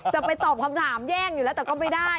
จะไปตอบคำถามแย่งอยู่แล้วแต่ก็ไม่ได้